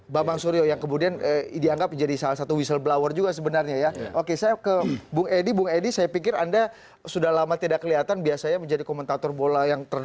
bambang suryo yang kemudian dianggap menjadi salah satu whistleblower juga sebenarnya ya oke saya ke bung edi bung edi saya pikir anda sudah lama tidak kelihatan biasanya menjadi komentator bola yang terbaik